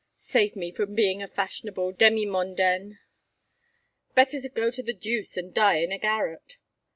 Save me from being a fashionable demimondaine. Better go to the deuce and die in a garret.